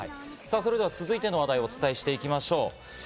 それでは続いての話題をお伝えしていきましょう。